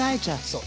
そう。